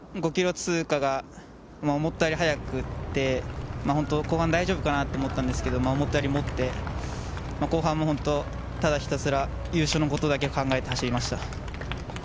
５ｋｍ通過が思ったより早くて後半大丈夫かなと思ったんですけれど、思ったよりもって、後半もただひたすら優勝のことだけ考えて走りました。